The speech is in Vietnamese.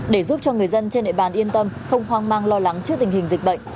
để giúp cho người dân trên địa bàn yên tâm không hoang mang lo lắng trước tình hình dịch bệnh